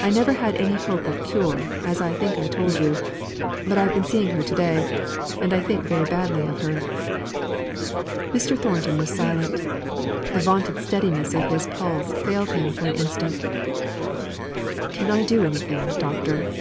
I never had any hope of cure, as I think I told you; but I've been seeing her to day, and I think very badly of her." Mr. Thornton was silent. The vaunted steadiness of pulse failed him for an instant. "Can I do anything, Doctor?"